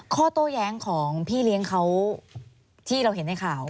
โต้แย้งของพี่เลี้ยงเขาที่เราเห็นในข่าว